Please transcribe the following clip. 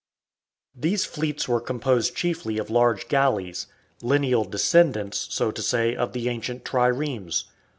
These fleets were composed chiefly of large galleys lineal descendants (so to say) of the ancient triremes.